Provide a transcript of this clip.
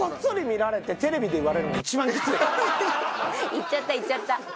言っちゃった言っちゃった。